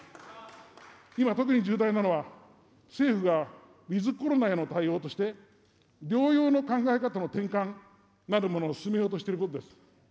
今、特に重大なのは、政府がウィズコロナへの対応として、療養の考え方の転換などを進めようとしていることです。